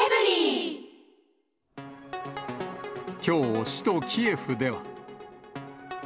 きょう、首都キエフでは。